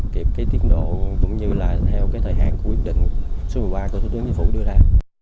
kịp cái tiến độ cũng như là theo cái thời hạn của quyết định số một mươi ba của thủ tướng chính phủ đưa ra